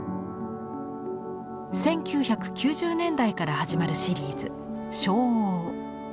１９９０年代から始まるシリーズ「照応」。